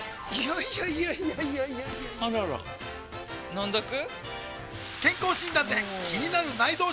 いやいやいやいやあらら飲んどく？